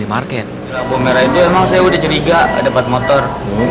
di labu merah itu emang saya udah ceriga ada empat motor